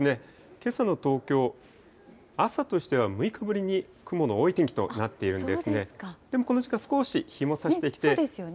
けさの東京、朝としては６日ぶりに雲の多い天気となっているんですね。